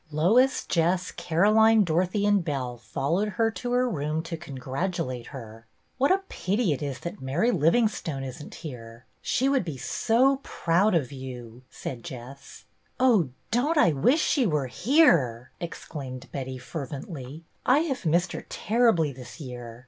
Lois, Jess, Caroline, Dorothy, and Belle followed her to her room to congratulate her. " What a pity it is that Mary Livingstone is n't here ! She would be so proud of you," said Jess. " Oh, dotUt I wish she were here !" ex claimed Betty, fervently. " I have missed her terribly this year.